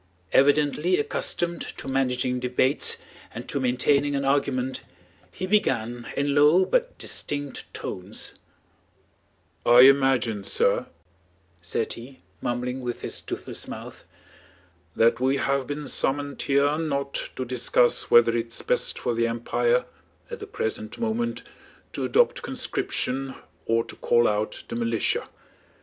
Evidently accustomed to managing debates and to maintaining an argument, he began in low but distinct tones: "I imagine, sir," said he, mumbling with his toothless mouth, "that we have been summoned here not to discuss whether it's best for the empire at the present moment to adopt conscription or to call out the militia.